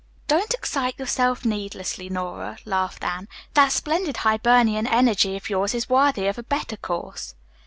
"Don't excite yourself needlessly, Nora," laughed Anne. "That splendid Hibernian energy of yours is worthy of a better cause."